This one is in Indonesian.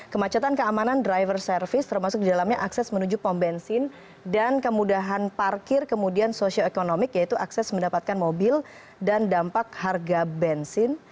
kemacetan keamanan driver service termasuk di dalamnya akses menuju pom bensin dan kemudahan parkir kemudian sosioekonomik yaitu akses mendapatkan mobil dan dampak harga bensin